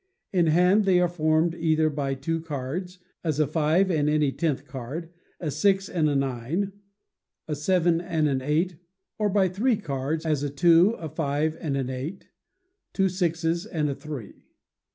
In hand they are formed either by two cards as a five and any tenth card, a six and a nine, a seven and an eight, or by three cards, as a two, a five, and an eight, two sixes and a three.